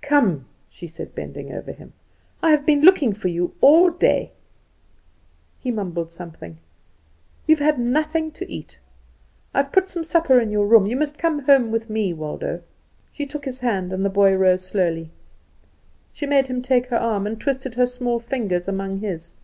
"Come," she said, bending over him, "I have been looking for you all day." He mumbled something. "You have had nothing to eat. I have put some supper in your room. You must come home with me, Waldo." She took his hand, and the boy rose slowly. She made him take her arm, and twisted her small fingers among his.